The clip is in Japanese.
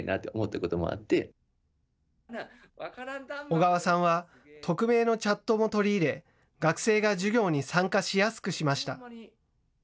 小川さんは匿名のチャットも取り入れ、学生が授業に参加しやすくしました。